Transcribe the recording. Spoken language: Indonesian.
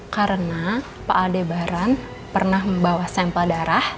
karena pak aldebaran pernah membawa sampel darah